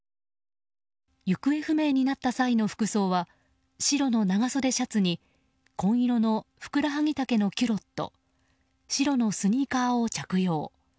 行方不明になった際の服装は白の長袖シャツに紺色のふくらはぎ丈のキュロット白のスニーカーを着用。